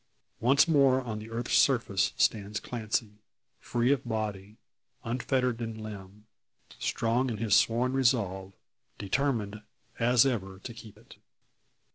Once more on the earth's surface stands Clancy, free of body, unfettered in limb, strong in his sworn resolve, determined as ever to keep it.